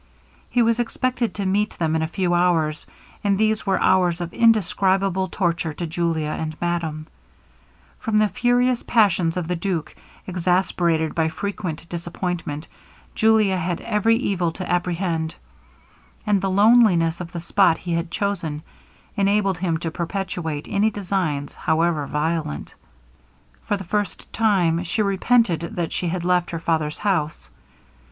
He was expected to meet them in a few hours, and these were hours of indescribable torture to Julia and madame. From the furious passions of the duke, exasperated by frequent disappointment, Julia had every evil to apprehend; and the loneliness of the spot he had chosen, enabled him to perpetrate any designs, however violent. For the first time, she repented that she had left her father's house.